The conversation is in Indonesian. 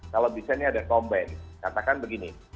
kalau bisa ini ada combine katakan begini